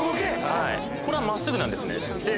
これは真っすぐなんです。